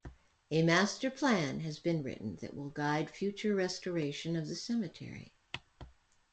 A master plan has been written that will guide future restoration of the cemetery.